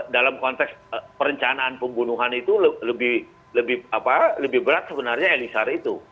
dalam konteks perencanaan pembunuhan itu lebih berat sebenarnya elisar itu